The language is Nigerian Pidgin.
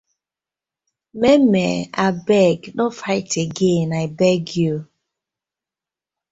Maymay abeg no fight again abeg yu.